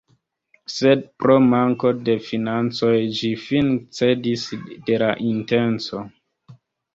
Sed pro manko de financoj ĝi fine cedis de la intenco.